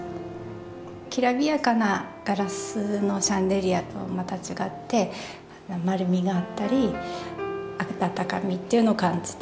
きらびやかなガラスのシャンデリアとまた違って丸みがあったり温かみっていうのを感じていただいてるのかもしれないです。